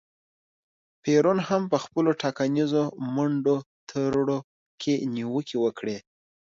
پېرون هم په خپلو ټاکنیزو منډو ترړو کې نیوکې وکړې.